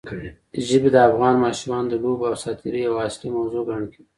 ژبې د افغان ماشومانو د لوبو او ساتېرۍ یوه اصلي موضوع ګڼل کېږي.